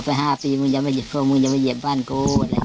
ต่อไป๕ปีมึงจะมาเย็บบ้านกู